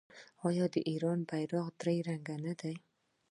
آیا د ایران بیرغ درې رنګه نه دی؟